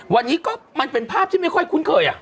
วันนี้ก็มันเป็นภาพที่ไม่ค่อยคุ้นเคย